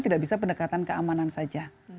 tidak bisa pendekatan keamanan saja